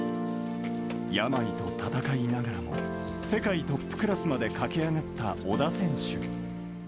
病と闘いながらも世界トップクラスまで駆け上がった小田選手。